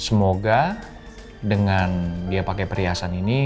semoga dengan dia pakai perhiasan ini